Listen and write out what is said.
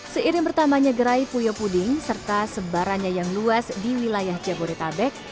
seiring pertamanya gerai puyo puding serta sebarannya yang luas di wilayah jabodetabek